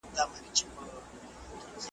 په مفهوم یې هم ځکه نه پوهیږم .